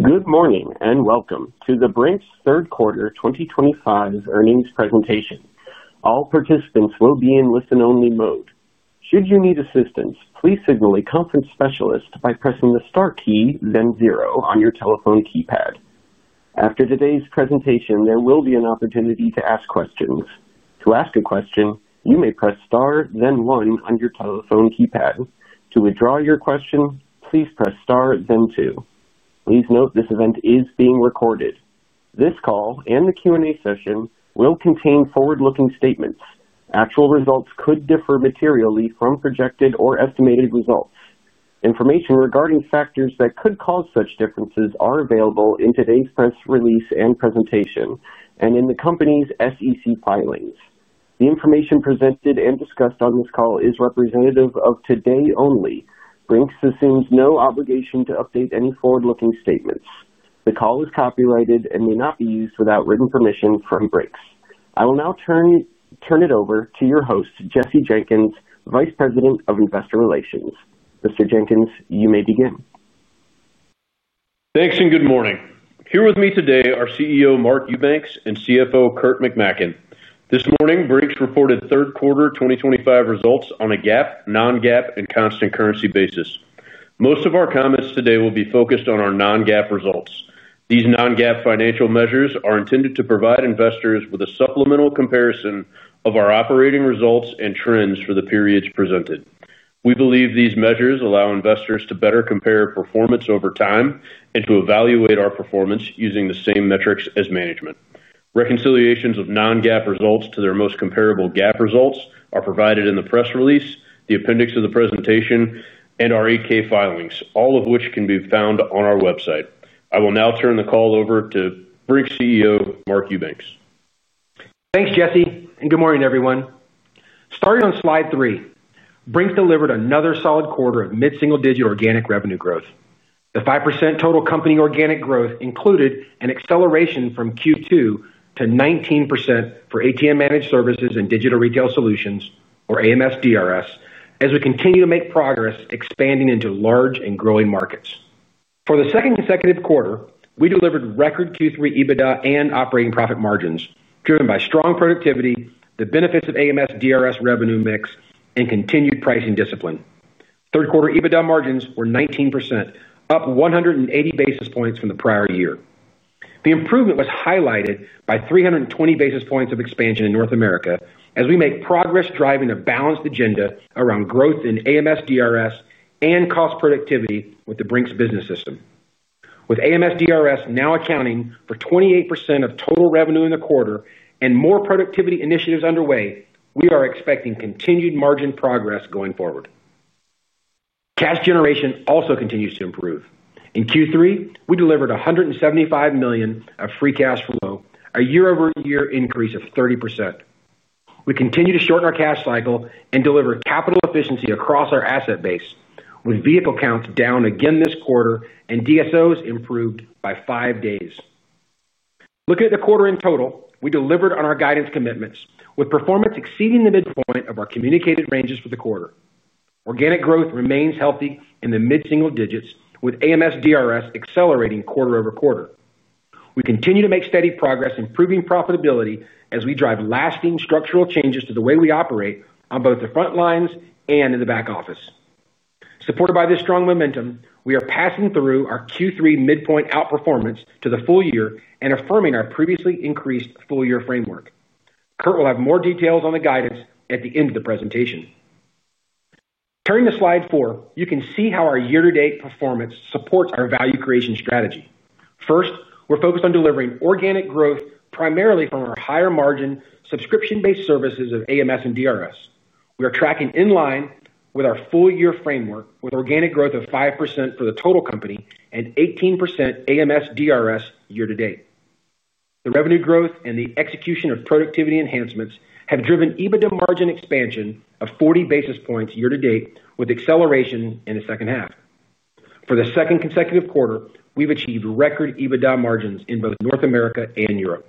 Good morning and welcome to the Brink's Third Quarter 2025 Earnings Presentation. All participants will be in listen-only mode. Should you need assistance, please signal a conference specialist by pressing the star key, then zero, on your telephone keypad. After today's presentation, there will be an opportunity to ask questions. To ask a question, you may press star, then one, on your telephone keypad. To withdraw your question, please press star, then two. Please note this event is being recorded. This call and the Q&A session will contain forward-looking statements. Actual results could differ materially from projected or estimated results. Information regarding factors that could cause such differences is available in today's press release and presentation, and in the company's SEC filings. The information presented and discussed on this call is representative of today only. Brink's assumes no obligation to update any forward-looking statements. The call is copyrighted and may not be used without written permission from Brink's. I will now turn it over to your host, Jesse Jenkins, Vice President of Investor Relations. Mr. Jenkins, you may begin. Thanks and good morning. Here with me today are CEO Mark Eubanks and CFO Kurt McMaken. This morning, Brink's reported third quarter 2025 results on a GAAP, non-GAAP, and constant currency basis. Most of our comments today will be focused on our non-GAAP results. These non-GAAP financial measures are intended to provide investors with a supplemental comparison of our operating results and trends for the periods presented. We believe these measures allow investors to better compare performance over time and to evaluate our performance using the same metrics as management. Reconciliations of non-GAAP results to their most comparable GAAP results are provided in the press release, the appendix of the presentation, and our 8-K filings, all of which can be found on our website. I will now turn the call over to Brink's CEO, Mark Eubanks. Thanks, Jesse, and good morning, everyone. Starting on slide three, Brink's delivered another solid quarter of mid-single digit organic revenue growth. The 5% total company organic growth included an acceleration from Q2 to 19% for ATM Managed Services and Digital Retail Solutions, or AMS/DRS, as we continue to make progress expanding into large and growing markets. For the second consecutive quarter, we delivered record Q3 EBITDA and operating profit margins driven by strong productivity, the benefits of AMS/DRS revenue mix, and continued pricing discipline. Third quarter EBITDA margins were 19%, up 180 basis points from the prior year. The improvement was highlighted by 320 basis points of expansion in North America as we make progress driving a balanced agenda around growth in AMS/DRS and cost productivity with the Brink's business system. With AMS/DRS now accounting for 28% of total revenue in the quarter and more productivity initiatives underway, we are expecting continued margin progress going forward. Cash generation also continues to improve. In Q3, we delivered $175 million of free cash flow, a year-over-year increase of 30%. We continue to shorten our cash cycle and deliver capital efficiency across our asset base, with vehicle counts down again this quarter and DSOs improved by 5 days. Looking at the quarter in total, we delivered on our guidance commitments, with performance exceeding the midpoint of our communicated ranges for the quarter. Organic growth remains healthy in the mid-single digits, with AMS/DRS accelerating quarter-over-quarter. We continue to make steady progress, improving profitability as we drive lasting structural changes to the way we operate on both the front lines and in the back office. Supported by this strong momentum, we are passing through our Q3 midpoint outperformance to the full year and affirming our previously increased full-year framework. Kurt will have more details on the guidance at the end of the presentation. Turning to slide four, you can see how our year-to-date performance supports our value creation strategy. First, we're focused on delivering organic growth primarily from our higher margin subscription-based services of AMS and DRS. We are tracking in line with our full-year framework, with organic growth of 5% for the total company and 18% AMS/DRS year-to-date. The revenue growth and the execution of productivity enhancements have driven EBITDA margin expansion of 40 basis points year-to-date, with acceleration in the second half. For the second consecutive quarter, we've achieved record EBITDA margins in both North America and Europe.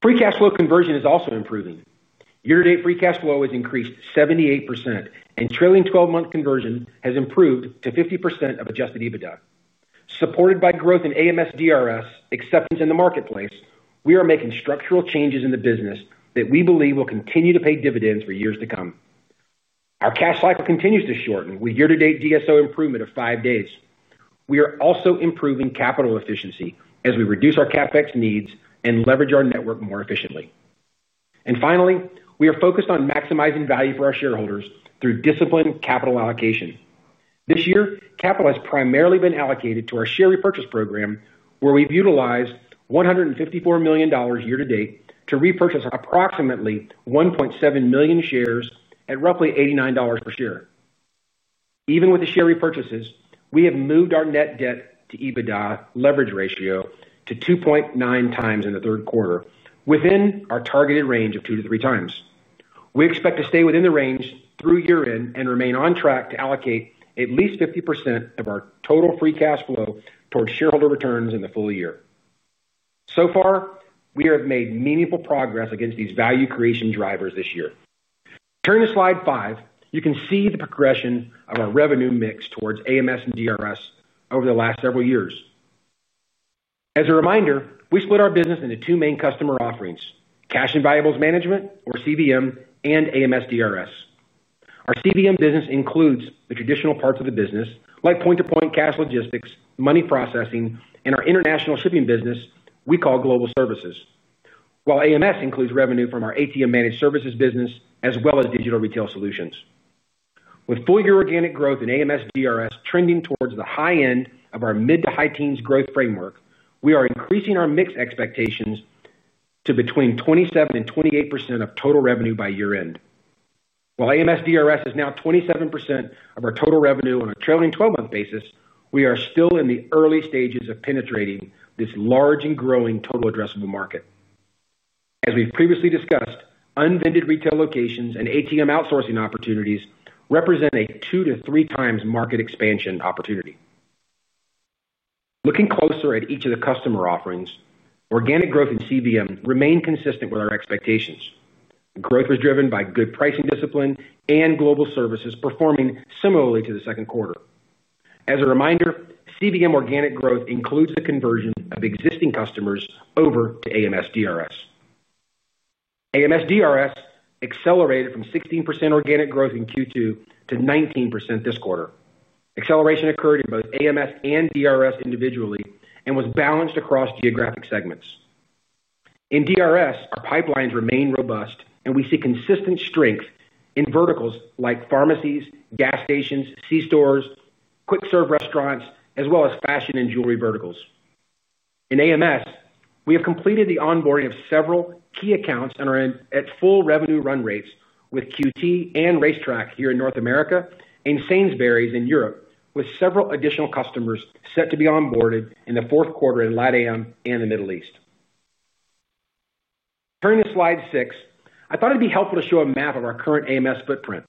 Free cash flow conversion is also improving. Year-to-date free cash flow has increased 78%, and trailing 12-month conversion has improved to 50% of Adjusted EBITDA. Supported by growth in AMS/DRS, acceptance in the marketplace, we are making structural changes in the business that we believe will continue to pay dividends for years to come. Our cash cycle continues to shorten, with year-to-date DSO improvement of 5 days. We are also improving capital efficiency as we reduce our CapEx needs and leverage our network more efficiently. Finally, we are focused on maximizing value for our shareholders through disciplined capital allocation. This year, capital has primarily been allocated to our share repurchase program, where we've utilized $154 million year-to-date to repurchase approximately 1.7 million shares at roughly $89 per share. Even with the share repurchases, we have moved our net debt to EBITDA leverage ratio to 2.9x in the third quarter, within our targeted range of 2x-3x. We expect to stay within the range through year-end and remain on track to allocate at least 50% of our total free cash flow towards shareholder returns in the full year. So far, we have made meaningful progress against these value creation drivers this year. Turning to slide five, you can see the progression of our revenue mix towards AMS and DRS over the last several years. As a reminder, we split our business into two main customer offerings: cash and valuables management, or CVM, and AMS/DRS. Our CVM business includes the traditional parts of the business, like point-to-point cash logistics, money processing, and our international shipping business, we call Global Services, while AMS includes revenue from our ATM managed services business as well as Digital Retail Solutions. With full-year organic growth in AMS/DRS trending towards the high end of our mid-to-high teens growth framework, we are increasing our mix expectations to between 27% and 28% of total revenue by year-end. While AMS/DRS is now 27% of our total revenue on a trailing 12-month basis, we are still in the early stages of penetrating this large and growing total addressable market. As we've previously discussed, unvended retail locations and ATM outsourcing opportunities represent a 2x-3x market expansion opportunity. Looking closer at each of the customer offerings, organic growth in CVM remained consistent with our expectations. Growth was driven by good pricing discipline and Global Services performing similarly to the second quarter. As a reminder, CVM organic growth includes the conversion of existing customers over to AMS/DRS. AMS/DRS accelerated from 16% organic growth in Q2 to 19% this quarter. Acceleration occurred in both AMS and DRS individually and was balanced across geographic segments. In DRS, our pipelines remain robust, and we see consistent strength in verticals like pharmacies, gas stations, C-stores, quick-serve restaurants, as well as fashion and jewelry verticals. In AMS, we have completed the onboarding of several key accounts and are at full revenue run rates with QT and RaceTrac here in North America and Sainsbury's in Europe, with several additional customers set to be onboarded in the fourth quarter in Latin America and the Middle East. Turning to slide six, I thought it'd be helpful to show a map of our current AMS footprint.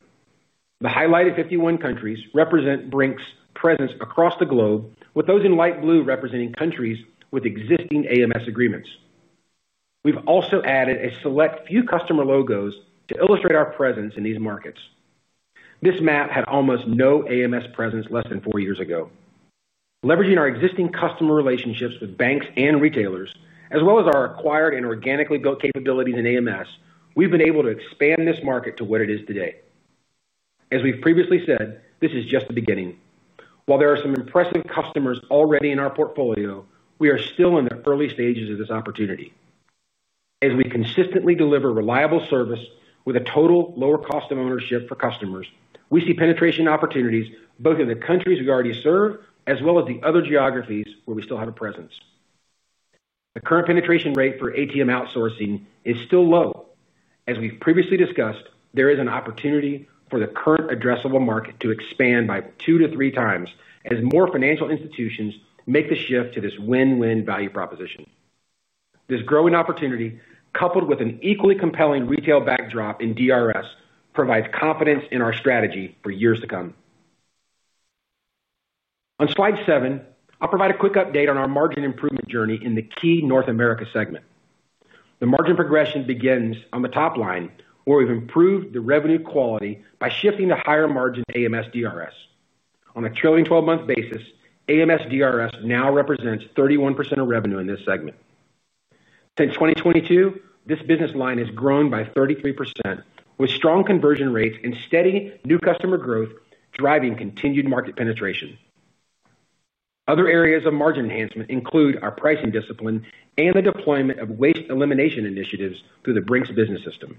The highlighted 51 countries represent Brink's presence across the globe, with those in light blue representing countries with existing AMS agreements. We've also added a select few customer logos to illustrate our presence in these markets. This map had almost no AMS presence less than 4 years ago. Leveraging our existing customer relationships with banks and retailers, as well as our acquired and organically built capabilities in AMS, we've been able to expand this market to what it is today. As we've previously said, this is just the beginning. While there are some impressive customers already in our portfolio, we are still in the early stages of this opportunity. As we consistently deliver reliable service with a total lower cost of ownership for customers, we see penetration opportunities both in the countries we already serve as well as the other geographies where we still have a presence. The current penetration rate for ATM outsourcing is still low. As we've previously discussed, there is an opportunity for the current addressable market to expand by 2x-3x as more financial institutions make the shift to this win-win value proposition. This growing opportunity, coupled with an equally compelling retail backdrop in DRS, provides confidence in our strategy for years to come. On slide seven, I'll provide a quick update on our margin improvement journey in the key North America segment. The margin progression begins on the top line, where we've improved the revenue quality by shifting to higher margin AMS/DRS. On a trailing 12-month basis, AMS/DRS now represents 31% of revenue in this segment. Since 2022, this business line has grown by 33%, with strong conversion rates and steady new customer growth driving continued market penetration. Other areas of margin enhancement include our pricing discipline and the deployment of waste elimination initiatives through the Brink's business system.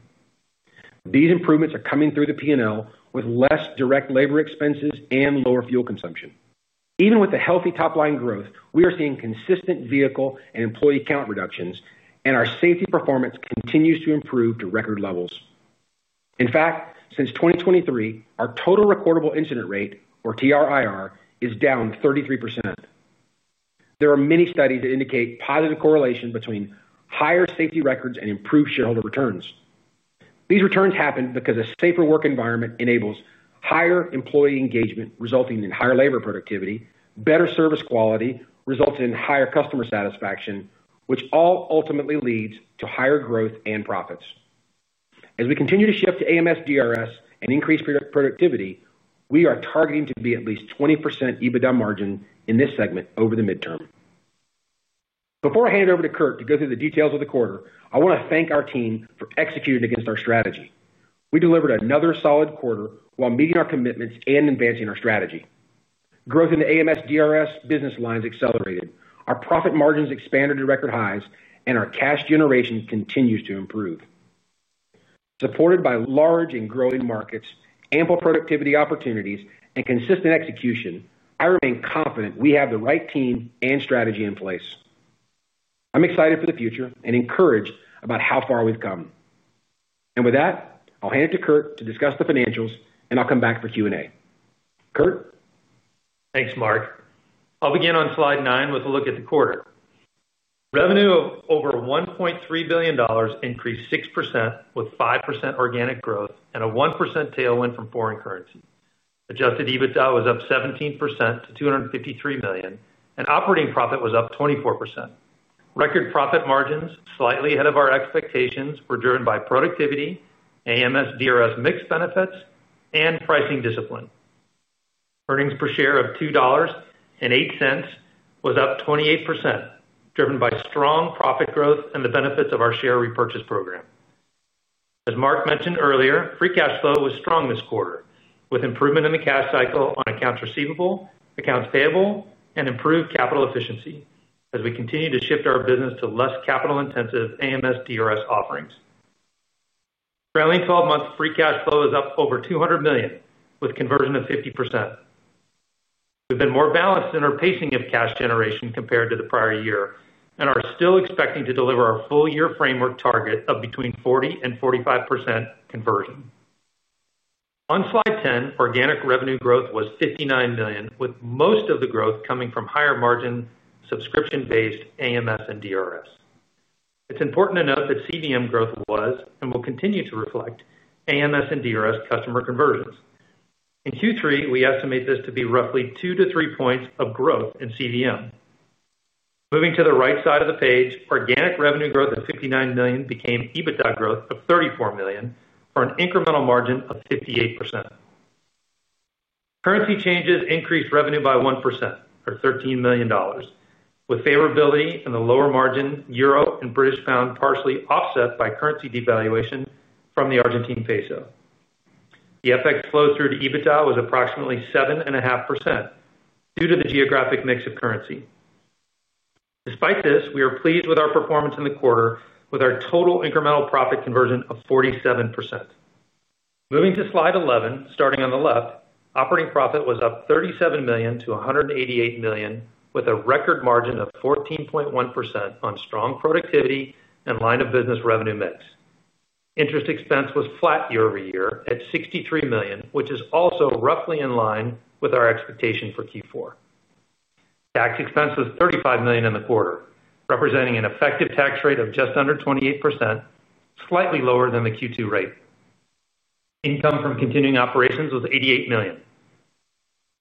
These improvements are coming through the P&L with less direct labor expenses and lower fuel consumption. Even with the healthy top line growth, we are seeing consistent vehicle and employee count reductions, and our safety performance continues to improve to record levels. In fact, since 2023, our total recordable incident rate, or TRIR, is down 33%. There are many studies that indicate positive correlation between higher safety records and improved shareholder returns. These returns happen because a safer work environment enables higher employee engagement, resulting in higher labor productivity, better service quality, resulting in higher customer satisfaction, which all ultimately leads to higher growth and profits. As we continue to shift to AMS/DRS and increase productivity, we are targeting to be at least 20% EBITDA margin in this segment over the midterm. Before I hand it over to Kurt to go through the details of the quarter, I want to thank our team for executing against our strategy. We delivered another solid quarter while meeting our commitments and advancing our strategy. Growth in the AMS/DRS business lines accelerated. Our profit margins expanded to record highs, and our cash generation continues to improve. Supported by large and growing markets, ample productivity opportunities, and consistent execution, I remain confident we have the right team and strategy in place. I'm excited for the future and encouraged about how far we've come. With that, I'll hand it to Kurt to discuss the financials, and I'll come back for Q&A. Kurt. Thanks, Mark. I'll begin on slide nine with a look at the quarter. Revenue of over $1.3 billion increased 6% with 5% organic growth and a 1% tailwind from foreign currency. Adjusted EBITDA was up 17% to $253 million, and operating profit was up 24%. Record profit margins, slightly ahead of our expectations, were driven by productivity, AMS/DRS mixed benefits, and pricing discipline. Earnings per share of $2.08 was up 28%, driven by strong profit growth and the benefits of our share repurchase program. As Mark mentioned earlier, free cash flow was strong this quarter, with improvement in the cash cycle on accounts receivable, accounts payable, and improved capital efficiency as we continue to shift our business to less capital-intensive AMS/DRS offerings. Trailing 12-month free cash flow is up over $200 million, with conversion of 50%. We've been more balanced in our pacing of cash generation compared to the prior year and are still expecting to deliver our full-year framework target of between 40% and 45% conversion. On slide 10, organic revenue growth was $59 million, with most of the growth coming from higher margin subscription-based AMS and DRS. It's important to note that CVM growth was and will continue to reflect AMS and DRS customer conversions. In Q3, we estimate this to be roughly 2-3 points of growth in CVM. Moving to the right side of the page, organic revenue growth of $59 million became EBITDA growth of $34 million for an incremental margin of 58%. Currency changes increased revenue by 1%, or $13 million, with favorability in the lower margin euro and British pound partially offset by currency devaluation from the Argentine peso. The effect flow through to EBITDA was approximately 7.5% due to the geographic mix of currency. Despite this, we are pleased with our performance in the quarter, with our total incremental profit conversion of 47%. Moving to slide 11, starting on the left, operating profit was up $37 million-$188 million, with a record margin of 14.1% on strong productivity and line-of-business revenue mix. Interest expense was flat year-over-year at $63 million, which is also roughly in line with our expectation for Q4. Tax expense was $35 million in the quarter, representing an effective tax rate of just under 28%, slightly lower than the Q2 rate. Income from continuing operations was $88 million.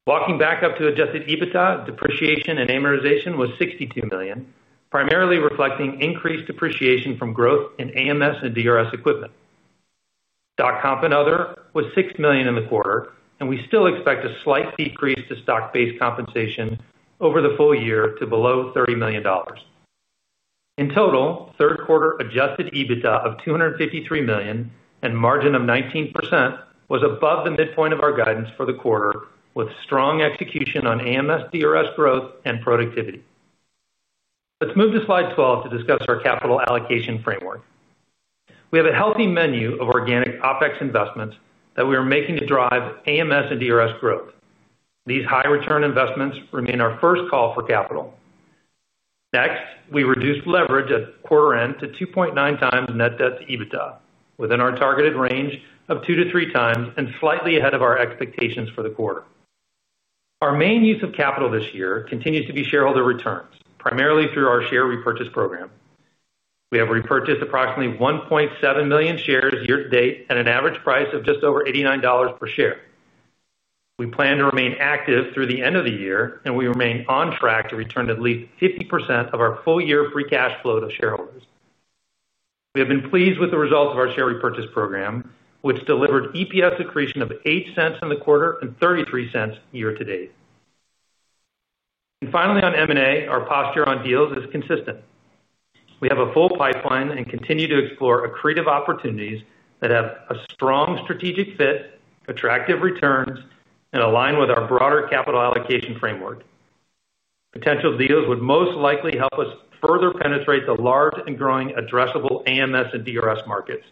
Walking back up to Adjusted EBITDA, depreciation and amortization was $62 million, primarily reflecting increased depreciation from growth in AMS and DRS equipment. Stock comp and other was $6 million in the quarter, and we still expect a slight decrease to stock-based compensation over the full year to below $30 million. In total, third quarter Adjusted EBITDA of $253 million and margin of 19% was above the midpoint of our guidance for the quarter, with strong execution on AMS/DRS growth and productivity. Let's move to slide 12 to discuss our capital allocation framework. We have a healthy menu of organic OpEx investments that we are making to drive AMS and DRS growth. These high-return investments remain our first call for capital. Next, we reduced leverage at quarter-end to 2.9x net debt to EBITDA, within our targeted range of 2x-3x and slightly ahead of our expectations for the quarter. Our main use of capital this year continues to be shareholder returns, primarily through our share repurchase program. We have repurchased approximately 1.7 million shares year-to-date at an average price of just over $89 per share. We plan to remain active through the end of the year, and we remain on track to return at least 50% of our full-year free cash flow to shareholders. We have been pleased with the results of our share repurchase program, which delivered EPS accretion of $0.08 in the quarter and $0.33 year-to-date. Finally, on M&A, our posture on deals is consistent. We have a full pipeline and continue to explore accretive opportunities that have a strong strategic fit, attractive returns, and align with our broader capital allocation framework. Potential deals would most likely help us further penetrate the large and growing addressable AMS and DRS markets.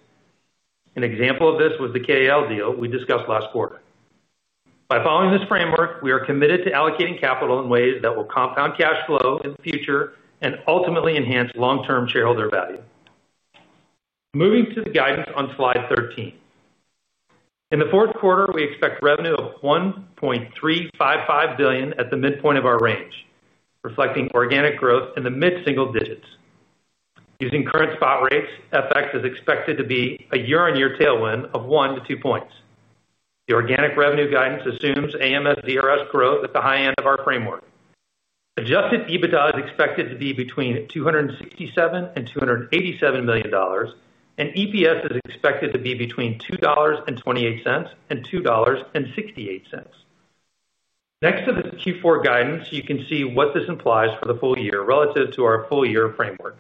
An example of this was the KAL deal we discussed last quarter. By following this framework, we are committed to allocating capital in ways that will compound cash flow in the future and ultimately enhance long-term shareholder value. Moving to the guidance on slide 13. In the fourth quarter, we expect revenue of $1.355 billion at the midpoint of our range, reflecting organic growth in the mid-single digits. Using current spot rates, FX is expected to be a year-on-year tailwind of 1-2 points. The organic revenue guidance assumes AMS/DRS growth at the high end of our framework. Adjusted EBITDA is expected to be between $267 million and $287 million, and EPS is expected to be between $2.28 and $2.68. Next to the Q4 guidance, you can see what this implies for the full year relative to our full-year framework.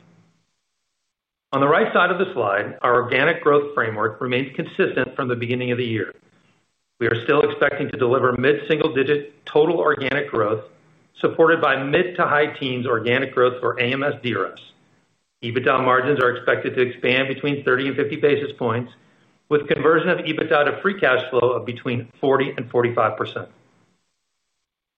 On the right side of the slide, our organic growth framework remains consistent from the beginning of the year. We are still expecting to deliver mid-single digit total organic growth, supported by mid to high teens organic growth for AMS/DRS. EBITDA margins are expected to expand between 30 and 50 basis points, with conversion of EBITDA to free cash flow of between 40% and 45%.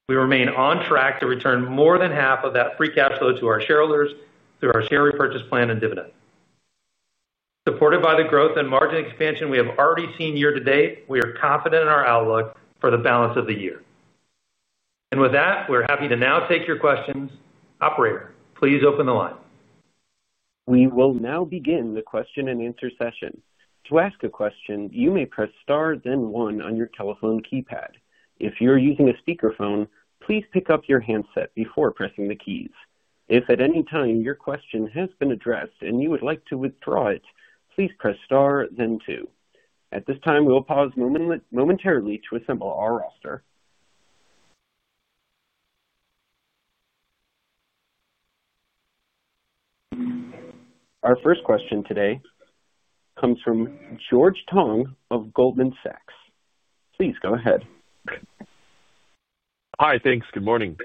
We remain on track to return more than half of that free cash flow to our shareholders through our share repurchase plan and dividend. Supported by the growth and margin expansion we have already seen year-to-date, we are confident in our outlook for the balance of the year. We are happy to now take your questions. Operator, please open the line. We will now begin the question-and-answer session. To ask a question, you may press star then one on your telephone keypad. If you're using a speakerphone, please pick up your handset before pressing the keys. If at any time your question has been addressed and you would like to withdraw it, please press star then two. At this time, we will pause momentarily to assemble our roster. Our first question today comes from George Tong of Goldman Sachs. Please go ahead. Hi, thanks. Good morning.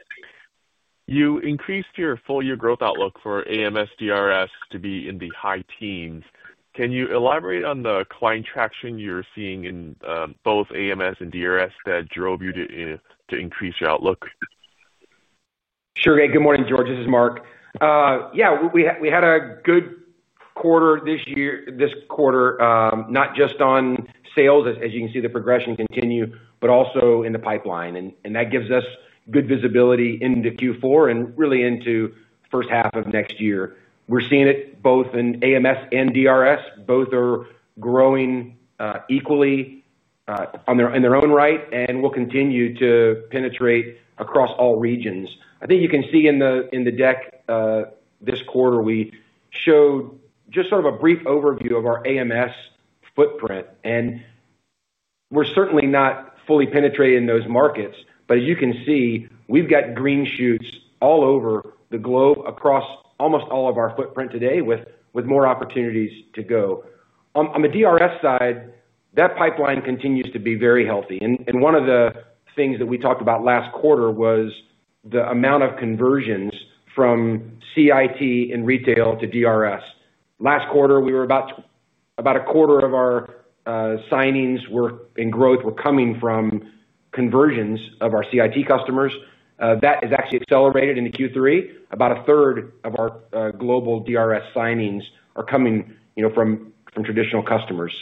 You increased your full-year growth outlook for AMS/DRS to be in the high teens. Can you elaborate on the client traction you're seeing in both AMS and DRS that drove you to increase your outlook? Sure, good morning, George. This is Mark. Yeah, we had a good quarter this year, this quarter, not just on sales, as you can see the progression continue, but also in the pipeline. That gives us good visibility into Q4 and really into the first half of next year. We're seeing it both in AMS and DRS. Both are growing equally in their own right, and will continue to penetrate across all regions. I think you can see in the deck this quarter, we showed just sort of a brief overview of our AMS footprint. We're certainly not fully penetrating those markets, but as you can see, we've got green shoots all over the globe across almost all of our footprint today with more opportunities to go. On the DRS side, that pipeline continues to be very healthy. One of the things that we talked about last quarter was the amount of conversions from CIT in retail to DRS. Last quarter, we were about a quarter of our signings in growth were coming from conversions of our CIT customers. That has actually accelerated in Q3. About 1/3 of our global DRS signings are coming from traditional customers.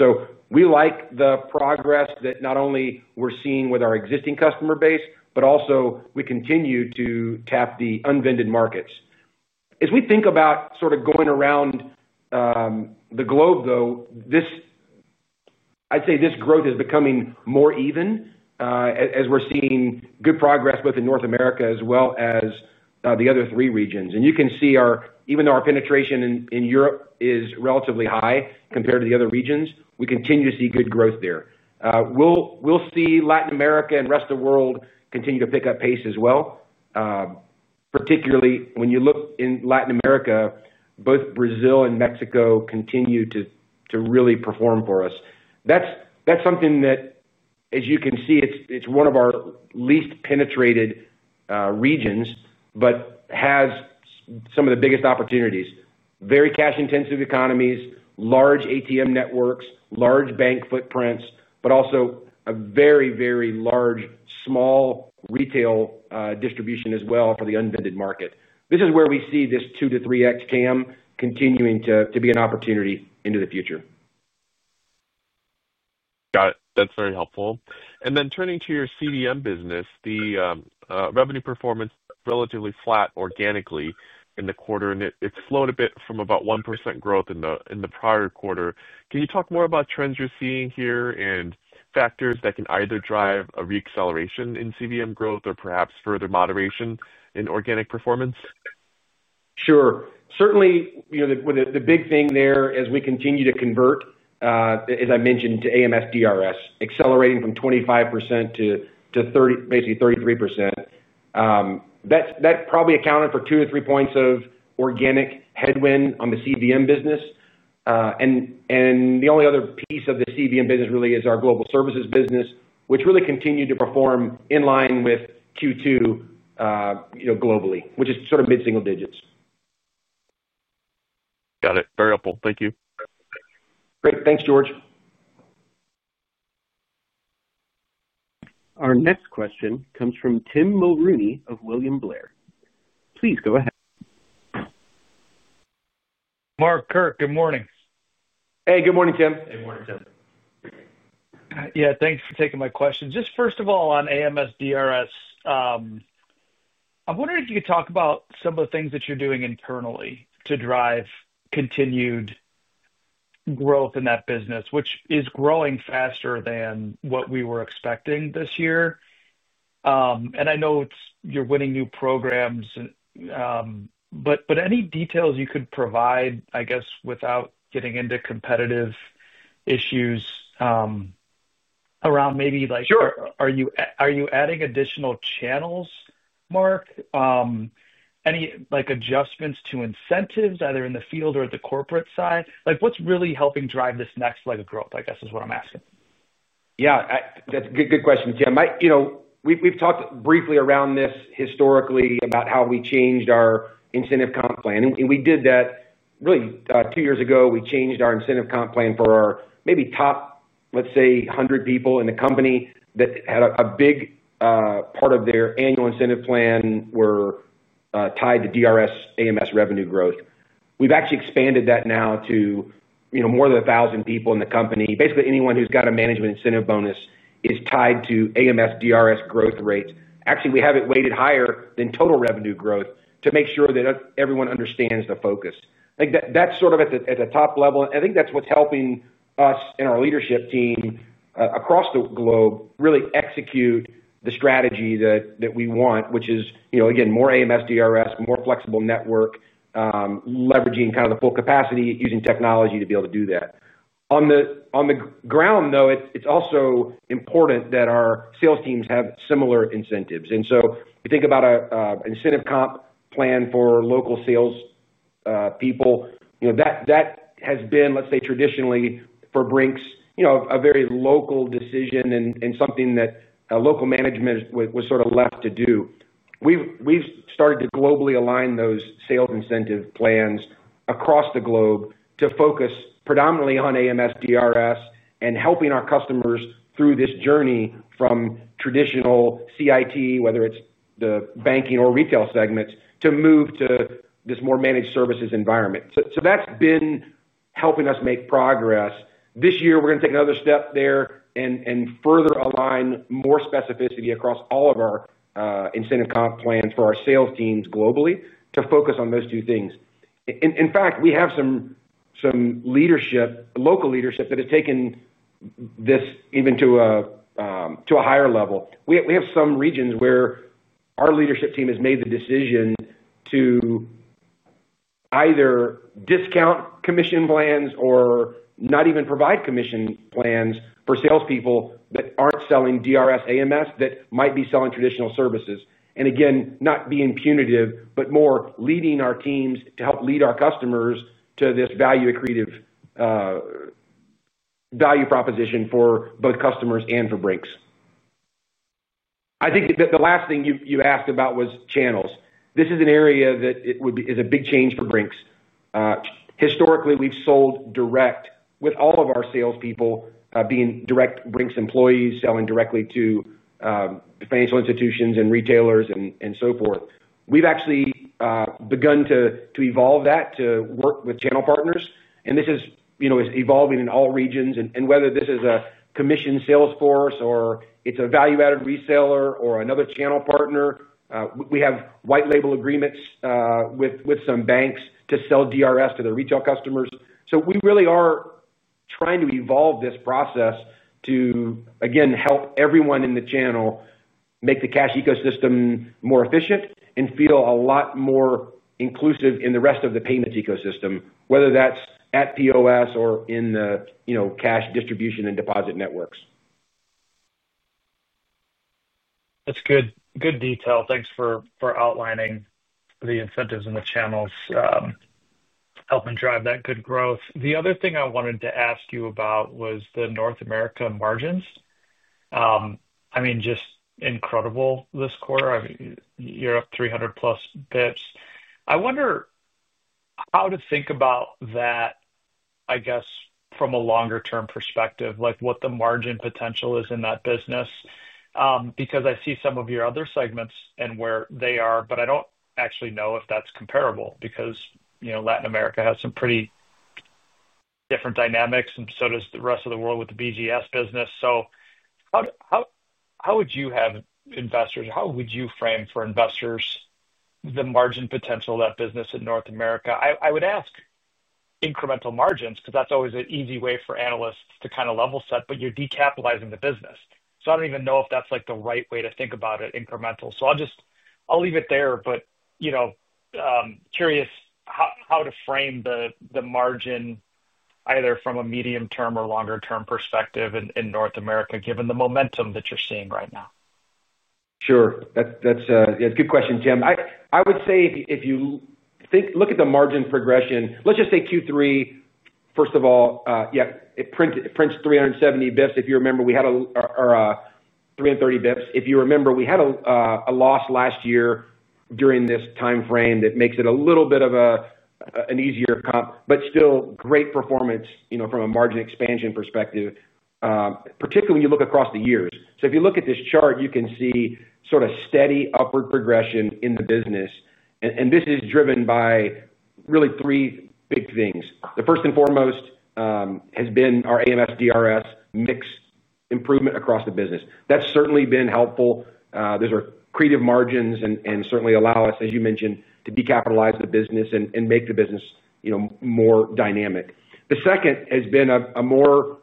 We like the progress that not only we're seeing with our existing customer base, but also we continue to tap the unvended markets. As we think about sort of going around the globe, though, I'd say this growth is becoming more even as we're seeing good progress both in North America as well as the other three regions. You can see even though our penetration in Europe is relatively high compared to the other regions, we continue to see good growth there. We'll see Latin America and the rest of the world continue to pick up pace as well. Particularly when you look in Latin America, both Brazil and Mexico continue to really perform for us. That's something that, as you can see, it's one of our least penetrated regions, but has some of the biggest opportunities. Very cash-intensive economies, large ATM networks, large bank footprints, but also a very, very large small retail distribution as well for the unvended market. This is where we see this 2x-3x TAM continuing to be an opportunity into the future. Got it. That's very helpful. Turning to your CVM business, the revenue performance is relatively flat organically in the quarter, and it's slowed a bit from about 1% growth in the prior quarter. Can you talk more about trends you're seeing here and factors that can either drive a re-acceleration in CVM growth or perhaps further moderation in organic performance? Sure. Certainly, the big thing there as we continue to convert, as I mentioned, to AMS/DRS, accelerating from 25% to basically 33%. That probably accounted for 2-3 points of organic headwind on the CVM business. The only other piece of the CVM business really is our Global Services business, which really continued to perform in line with Q2, globally, which is sort of mid-single digits. Got it. Very helpful. Thank you. Great. Thanks, George. Our next question comes from Tim Mulrooney of William Blair. Please go ahead. Mark, Kurt, good morning. Hey, good morning, Tim. Good morning, Tim. Yeah, thanks for taking my question. Just first of all, on AMS/DRS. I'm wondering if you could talk about some of the things that you're doing internally to drive continued growth in that business, which is growing faster than what we were expecting this year. I know you're winning new programs. Any details you could provide, I guess, without getting into competitive issues around maybe. Sure. Are you adding additional channels, Mark? Any adjustments to incentives, either in the field or at the corporate side? What's really helping drive this next leg of growth, I guess, is what I'm asking. Yeah, that's a good question, Tim. We've talked briefly around this historically about how we changed our incentive comp plan. We did that really 2 years ago. We changed our incentive comp plan for maybe top, let's say, 100 people in the company that had a big part of their annual incentive plan tied to DRS/AMS revenue growth. We've actually expanded that now to more than 1,000 people in the company. Basically, anyone who's got a management incentive bonus is tied to AMS/DRS growth rates. Actually, we have it weighted higher than total revenue growth to make sure that everyone understands the focus. I think that's sort of at the top level. I think that's what's helping us and our leadership team across the globe really execute the strategy that we want, which is, again, more AMS/DRS, more flexible network. Leveraging kind of the full capacity, using technology to be able to do that. On the ground, though, it is also important that our sales teams have similar incentives. You think about an incentive comp plan for local salespeople. That has been, let's say, traditionally for Brink's a very local decision and something that local management was sort of left to do. We have started to globally align those sales incentive plans across the globe to focus predominantly on AMS/DRS, and helping our customers through this journey from traditional CIT, whether it is the banking or retail segments, to move to this more managed services environment. That has been helping us make progress. This year, we are going to take another step there and further align more specificity across all of our incentive comp plans for our sales teams globally to focus on those two things. In fact, we have some. Local leadership that has taken this even to a higher level. We have some regions where our leadership team has made the decision to either discount commission plans or not even provide commission plans for salespeople that aren't selling DRS/AMS that might be selling traditional services. Again, not being punitive, but more leading our teams to help lead our customers to this value-accretive value proposition for both customers and for Brink's. I think the last thing you asked about was channels. This is an area that is a big change for Brink's. Historically, we've sold direct, with all of our salespeople being direct Brink's employees, selling directly to financial institutions and retailers and so forth. We've actually begun to evolve that to work with channel partners. This is evolving in all regions. Whether this is a commissioned salesforce or it's a value-added reseller or another channel partner, we have white-label agreements with some banks to sell DRS to their retail customers. We really are trying to evolve this process to, again, help everyone in the channel make the cash ecosystem more efficient and feel a lot more inclusive in the rest of the payments ecosystem, whether that's at POS or in the cash distribution and deposit networks. That's good detail. Thanks for outlining the incentives and the channels. Helping drive that good growth. The other thing I wanted to ask you about was the North America margins. I mean, just incredible this quarter. You're up 300+ basis points. I wonder how to think about that. I guess, from a longer-term perspective, what the margin potential is in that business. Because I see some of your other segments and where they are, but I don't actually know if that's comparable because Latin America has some pretty different dynamics, and so does the rest of the world with the BGS business. How would you have investors, how would you frame for investors the margin potential of that business in North America? I would ask incremental margins because that's always an easy way for analysts to kind of level set, but you're decapitalizing the business. I don't even know if that's the right way to think about it, incremental. I'll leave it there, but curious how to frame the margin either from a medium-term or longer-term perspective in North America, given the momentum that you're seeing right now. Sure. That's a good question, Tim. I would say if you look at the margin progression, let's just say Q3, first of all, yeah, it prints 370 basis points. If you remember, we had 330 basis points. If you remember, we had a loss last year during this timeframe that makes it a little bit of an easier comp, but still great performance from a margin expansion perspective. Particularly when you look across the years. If you look at this chart, you can see sort of steady upward progression in the business. This is driven by really three big things. The first and foremost has been our AMS/DRS mix improvement across the business. That's certainly been helpful. Those are accretive margins and certainly allow us, as you mentioned, to decapitalize the business and make the business more dynamic. The second has been a more.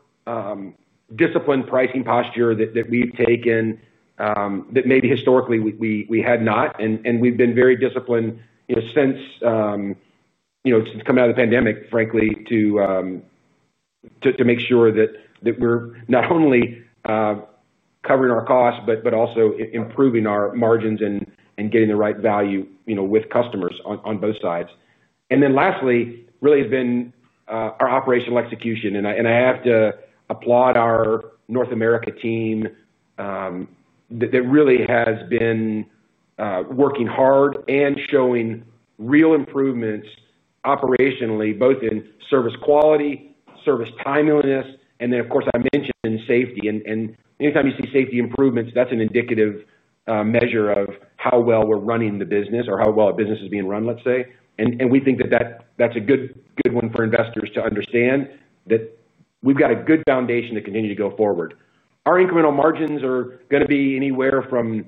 Disciplined pricing posture that we have taken. That maybe historically we had not. We have been very disciplined since coming out of the pandemic, frankly, to make sure that we are not only covering our costs, but also improving our margins and getting the right value with customers on both sides. Lastly, really, it has been our operational execution. I have to applaud our North America team. That really has been working hard and showing real improvements operationally, both in service quality, service timeliness, and then, of course, I mentioned safety. Anytime you see safety improvements, that is an indicative measure of how well we are running the business or how well a business is being run, let's say. We think that is a good one for investors to understand that we have got a good foundation to continue to go forward. Our incremental margins are going to be anywhere from.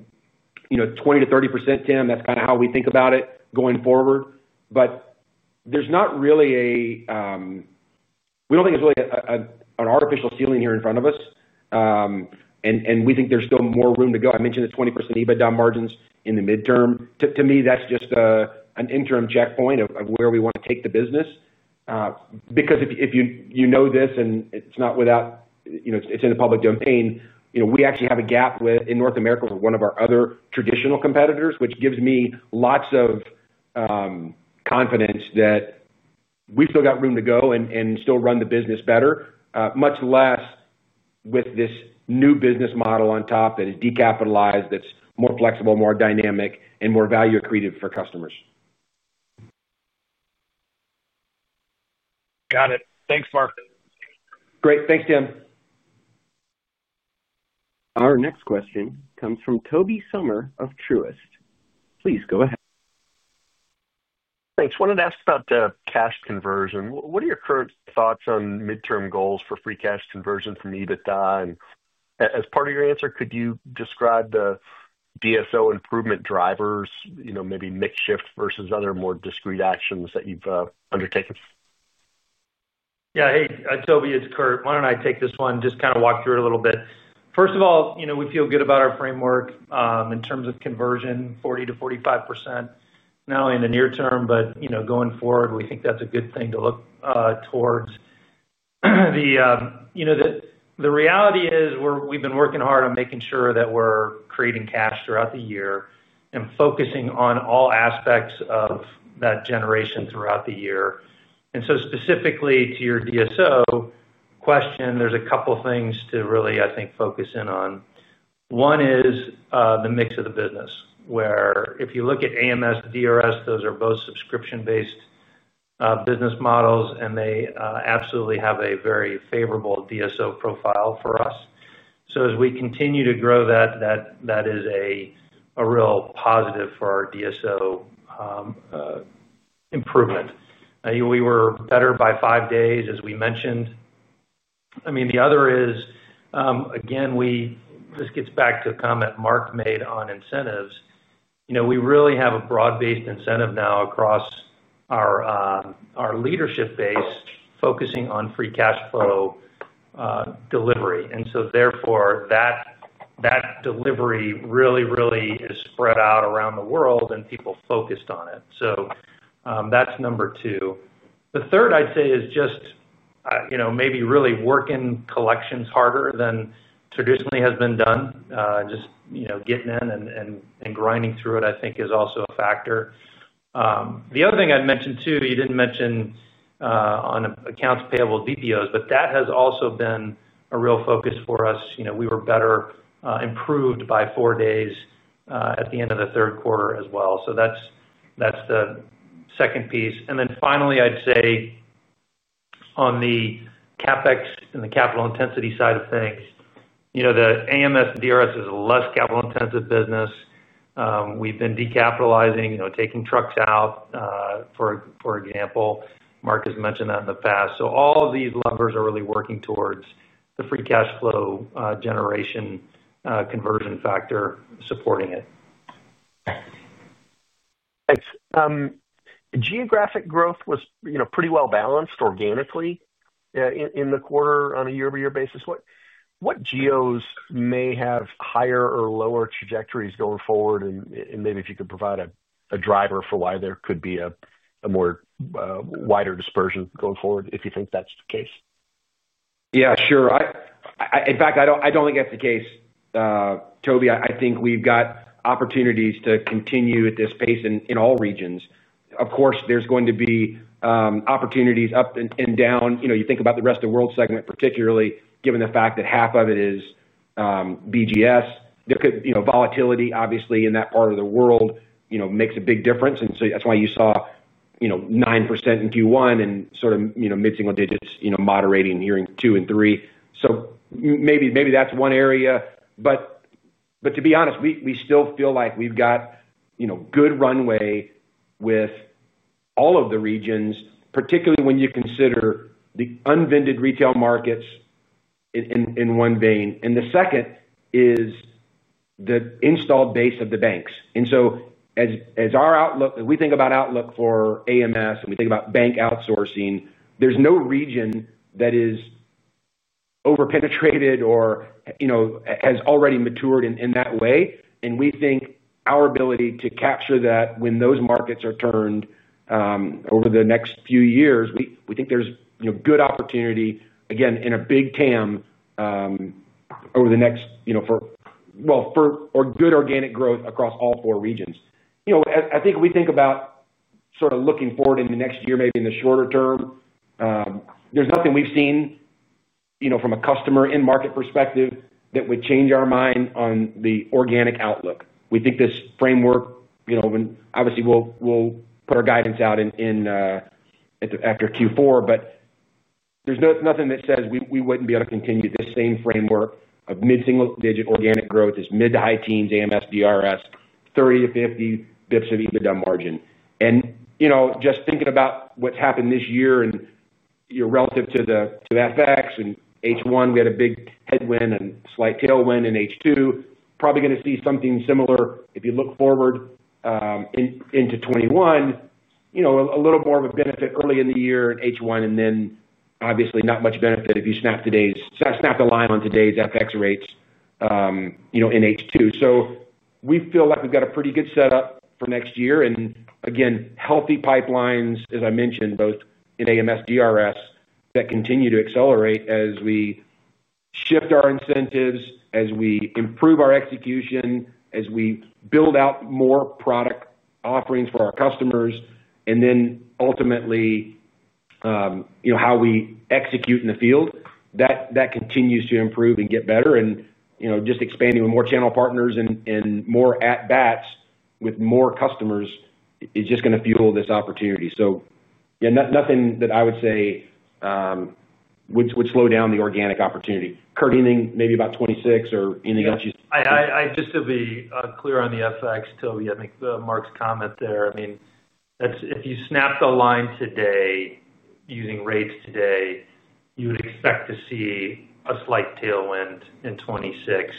20%-30%, Tim. That's kind of how we think about it going forward. There is not really a— We do not think there is really an artificial ceiling here in front of us. We think there is still more room to go. I mentioned the 20% EBITDA margins in the midterm. To me, that is just an interim checkpoint of where we want to take the business. Because if you know this and it is not without— It is in the public domain. We actually have a gap in North America with one of our other traditional competitors, which gives me lots of confidence that we have still got room to go and still run the business better, much less with this new business model on top that is decapitalized, that is more flexible, more dynamic, and more value-accretive for customers. Got it. Thanks, Mark. Great. Thanks, Tim. Our next question comes from Tobey Sommer of Truist. Please go ahead. Thanks. I wanted to ask about cash conversion. What are your current thoughts on midterm goals for free cash conversion from EBITDA? As part of your answer, could you describe the DSO improvement drivers, maybe mix shift versus other more discrete actions that you've undertaken? Yeah. Hey, Tobey, it's Kurt. Why don't I take this one? Just kind of walk through it a little bit. First of all, we feel good about our framework in terms of conversion, 40%-45%. Not only in the near term, but going forward, we think that's a good thing to look towards. The reality is we've been working hard on making sure that we're creating cash throughout the year and focusing on all aspects of that generation throughout the year. Specifically to your DSO question, there's a couple of things to really, I think, focus in on. One is the mix of the business, where if you look at AMS/DRS, those are both subscription-based business models, and they absolutely have a very favorable DSO profile for us. As we continue to grow that, that is a real positive for our DSO improvement. We were better by 5 days, as we mentioned. I mean, the other is. Again, this gets back to a comment Mark made on incentives. We really have a broad-based incentive now across our leadership base focusing on free cash flow delivery. And so therefore, that delivery really, really is spread out around the world, and people focused on it. So that's number two. The third, I'd say, is just maybe really working collections harder than traditionally has been done. Just getting in and grinding through it, I think, is also a factor. The other thing I'd mention too, you didn't mention on accounts payable DPOs, but that has also been a real focus for us. We were better improved by 4 days at the end of the third quarter as well. So that's the second piece. And then finally, I'd say. On the CapEx and the capital intensity side of things, the AMS/DRS is a less capital-intensive business. We've been decapitalizing, taking trucks out, for example. Mark has mentioned that in the past. All of these levers are really working towards the free cash flow generation conversion factor supporting it. Thanks. Geographic growth was pretty well balanced organically in the quarter on a year-over-year basis. What GEOs may have higher or lower trajectories going forward? Maybe if you could provide a driver for why there could be a more wider dispersion going forward, if you think that's the case. Yeah, sure. In fact, I do not think that is the case. Tobey, I think we have got opportunities to continue at this pace in all regions. Of course, there are going to be opportunities up and down. You think about the Rest of the World segment, particularly given the fact that half of it is BGS. Volatility, obviously, in that part of the world makes a big difference. That is why you saw 9% in Q1 and sort of mid-single digits moderating here in Q2 and Q3. Maybe that is one area. To be honest, we still feel like we have got good runway with all of the regions, particularly when you consider the unvended retail markets in one vein. The second is the installed base of the banks. As we think about outlook for AMS and we think about bank outsourcing, there is no region that is overpenetrated or. Has already matured in that way. We think our ability to capture that when those markets are turned. Over the next few years, we think there is good opportunity, again, in a big TAM. Over the next, for, or good organic growth across all four regions. I think we think about sort of looking forward in the next year, maybe in the shorter term. There is nothing we have seen from a customer and market perspective that would change our mind on the organic outlook. We think this framework, obviously, we will put our guidance out after Q4, but there is nothing that says we would not be able to continue this same framework of mid-single digit organic growth, mid to high teens AMS/DRS, 30-50 basis points of EBITDA margin. Just thinking about what's happened this year and relative to the FX and H1, we had a big headwind and slight tailwind in H2. Probably going to see something similar if you look forward into 2021. A little more of a benefit early in the year in H1, and then obviously not much benefit if you snap the line on today's FX rates in H2. We feel like we've got a pretty good setup for next year. Again, healthy pipelines, as I mentioned, both in AMS and DRS that continue to accelerate as we shift our incentives, as we improve our execution, as we build out more product offerings for our customers, and then ultimately how we execute in the field. That continues to improve and get better. Expanding with more channel partners and more at-bats with more customers is just going to fuel this opportunity. Yeah, nothing that I would say would slow down the organic opportunity. Kurt, anything maybe about 2026 or anything else you? I just to be clear on the FX, Tobey, I think Mark's comment there. I mean, if you snap the line today using rates today, you would expect to see a slight tailwind in 2026.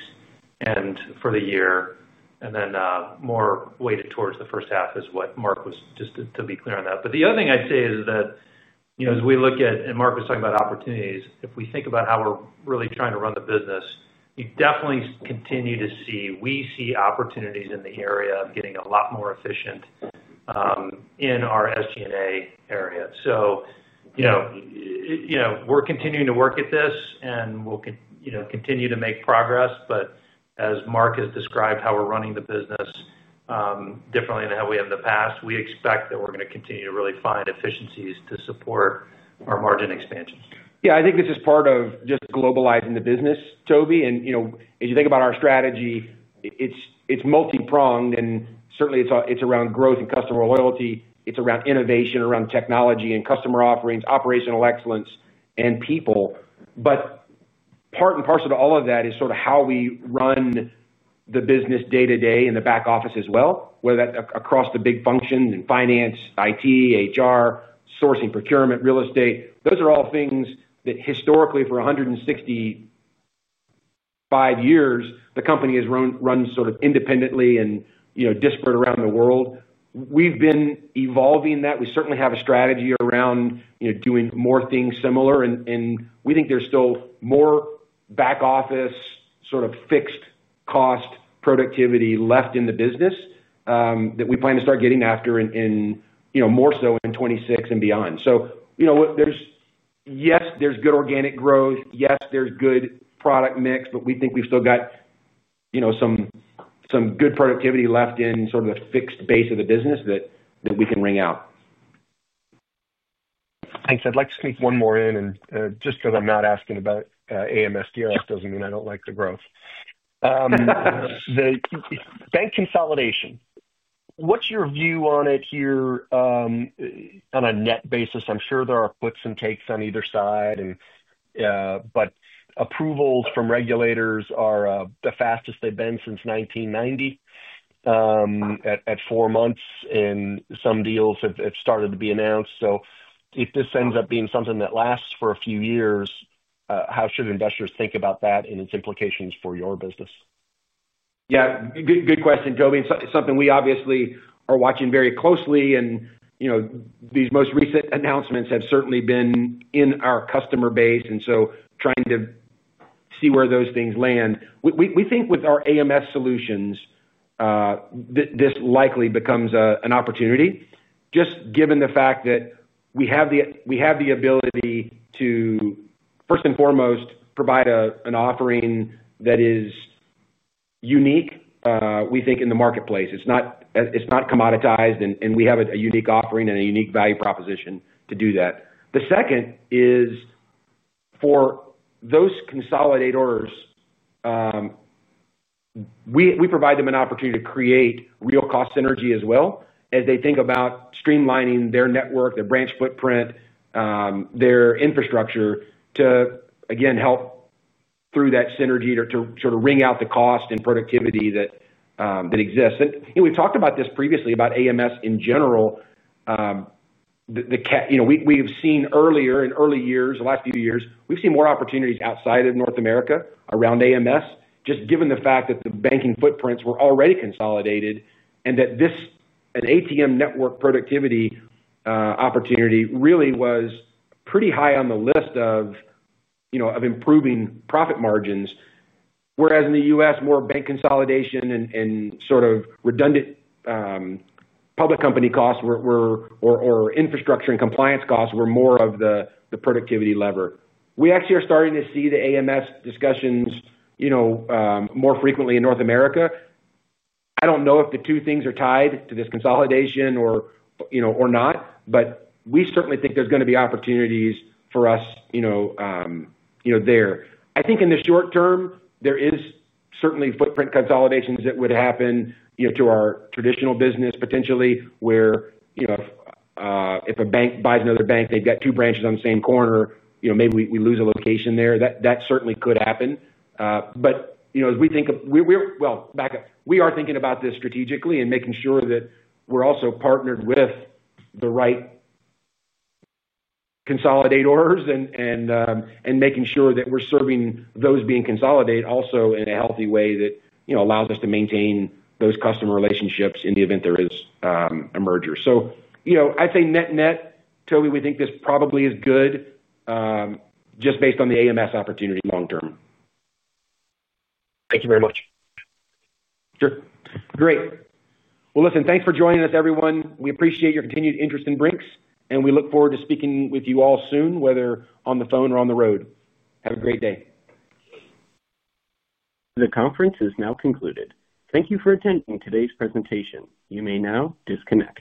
And for the year. And then more weighted towards the first half is what Mark was just to be clear on that. But the other thing I'd say is that. As we look at, and Mark was talking about opportunities, if we think about how we're really trying to run the business, you definitely continue to see we see opportunities in the area of getting a lot more efficient. In our SG&A area. So. We're continuing to work at this and we'll continue to make progress. But as Mark has described how we're running the business. Differently than how we have in the past, we expect that we're going to continue to really find efficiencies to support our margin expansion. Yeah. I think this is part of just globalizing the business, Tobey. And as you think about our strategy, it's multi-pronged. And certainly, it's around growth and customer loyalty. It's around innovation, around technology and customer offerings, operational excellence, and people. But. part and parcel to all of that is sort of how we run the business day-to-day in the back office as well, whether that's across the big functions in finance, IT, HR, sourcing, procurement, real estate. Those are all things that historically, for 165 years, the company has run sort of independently and disparate around the world. We've been evolving that. We certainly have a strategy around doing more things similar. And we think there's still more back office sort of fixed cost productivity left in the business. That we plan to start getting after. More so in 2026 and beyond. So. Yes, there's good organic growth. Yes, there's good product mix, but we think we've still got. Some. Good productivity left in sort of the fixed base of the business that we can ring out. Thanks. I'd like to sneak one more in. Just because I'm not asking about AMS deals doesn't mean I don't like the growth. Bank consolidation. What's your view on it here? On a net basis? I'm sure there are puts and takes on either side. Approvals from regulators are the fastest they've been since 1990, at 4 months, and some deals have started to be announced. If this ends up being something that lasts for a few years, how should investors think about that and its implications for your business? Yeah. Good question, Tobey. Something we obviously are watching very closely. These most recent announcements have certainly been in our customer base. Trying to see where those things land. We think with our AMS solutions, this likely becomes an opportunity, just given the fact that we have the ability to, first and foremost, provide an offering that is unique, we think, in the marketplace. It is not commoditized, and we have a unique offering and a unique value proposition to do that. The second is, for those consolidators, we provide them an opportunity to create real cost synergy as well as they think about streamlining their network, their branch footprint, their infrastructure to, again, help through that synergy to sort of ring out the cost and productivity that exists. We have talked about this previously about AMS in general. We've seen earlier in early years, the last few years, we've seen more opportunities outside of North America around AMS, just given the fact that the banking footprints were already consolidated and that this, an ATM network productivity opportunity, really was pretty high on the list of. Improving profit margins. Whereas in the US, more bank consolidation and sort of redundant. Public company costs. Or infrastructure and compliance costs were more of the productivity lever. We actually are starting to see the AMS discussions. More frequently in North America. I don't know if the two things are tied to this consolidation or. Not, but we certainly think there's going to be opportunities for us. There. I think in the short term, there is certainly footprint consolidations that would happen to our traditional business potentially, where. If a bank buys another bank, they've got two branches on the same corner, maybe we lose a location there. That certainly could happen. But as we think of, well, back up, we are thinking about this strategically and making sure that we're also partnered with the right. Consolidators and making sure that we're serving those being consolidated also in a healthy way that allows us to maintain those customer relationships in the event there is a merger. So I'd say net-net, Tobey, we think this probably is good. Just based on the AMS opportunity long term. Thank you very much. Sure. Great. Well, listen, thanks for joining us, everyone. We appreciate your continued interest in Brink's, and we look forward to speaking with you all soon, whether on the phone or on the road. Have a great day. The conference is now concluded. Thank you for attending today's presentation. You may now disconnect.